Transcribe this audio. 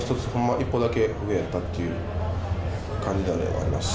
一歩だけ上やったという感じではあります。